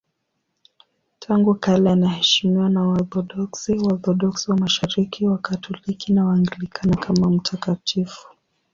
Tangu kale anaheshimiwa na Waorthodoksi, Waorthodoksi wa Mashariki, Wakatoliki na Waanglikana kama mtakatifu.